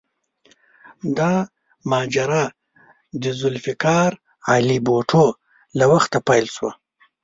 دا ماجرا د ذوالفقار علي بوټو له وخته پیل شوه.